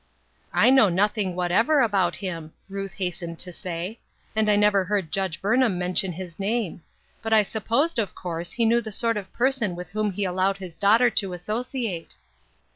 " I know nothing whatever about him," Ruth hastened to say, " and I never heard Judge Burn han mention his name ; but I supposed, of course, he knew the sort of person with whom he allowed his daughter to associate."